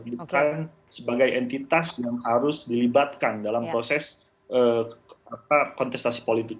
bukan sebagai entitas yang harus dilibatkan dalam proses kontestasi politik